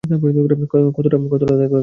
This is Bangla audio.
ক্ষতটা দেখো একবার।